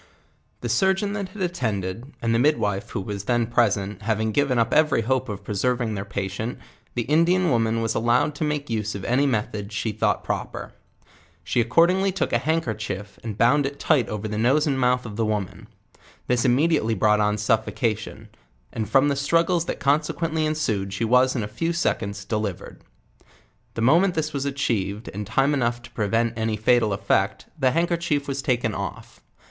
The surgeon tint had attended, and the midwife who was then present, having given up every hope of preserving 1 iheir patient, the Indian woman was allowed to make use of any methods she thought proper. She accordingly took a hand kerchief, and bond it, tight aver the nose and mouth of the wo man; this immediately brought on suffocation; and from the struggles that consequently ensjcd she was in a few seconds .delivered. The moment this was achieved, and time enough to prevent any fatal effect, the handkerchief was taken off.